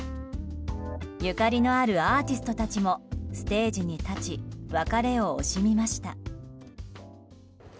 ゆかりのあるアーティストたちもステージに立ち別れを惜しみました。